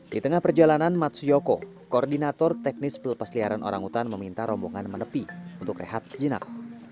di tengah perjalanan matsuyoko koordinator teknis pelepas liaran orangutan meminta rombongan menepi untuk rehat sejenak